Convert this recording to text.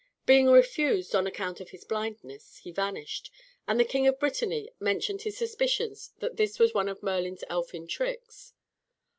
Being refused on account of his blindness he vanished, and the king of Brittany mentioned his suspicions that this was one of Merlin's elfin tricks.